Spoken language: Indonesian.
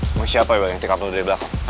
emang siapa ya yang tikam lo dari belakang